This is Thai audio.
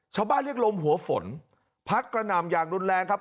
เรียกลมหัวฝนพัดกระหน่ำอย่างรุนแรงครับ